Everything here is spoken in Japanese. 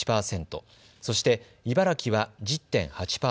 そして茨城は１０．８％。